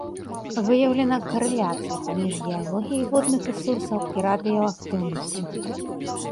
Выяўлена карэляцыя паміж геалогіяй водных рэсурсаў і радыеактыўнасцю.